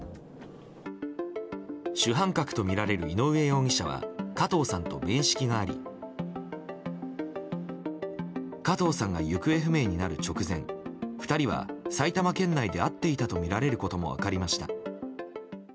主犯格とみられる井上容疑者は加藤さんと面識があり加藤さんが行方不明になる直前２人は、埼玉県内で会っていたとみられることも分かりました。